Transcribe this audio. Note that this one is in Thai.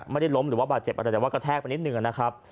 ไม่ได้ล้มหรือว่าบาดเจ็บอะไรแต่ว่ากระแทกไปนิดนึงนะครับ